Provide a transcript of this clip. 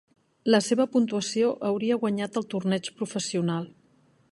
La seva puntuació hauria guanyat el torneig professional.